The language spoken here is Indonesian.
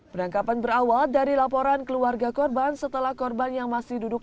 penangkapan berawal dari laporan keluarga korban setelah korban yang masih duduk